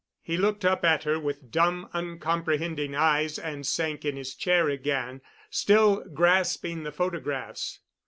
He looked up at her with dumb, uncomprehending eyes and sank in his chair again, still grasping the photographs.